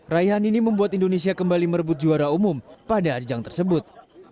raihan ini membuat indonesia kembali merebut juara umum pada ajang tersebut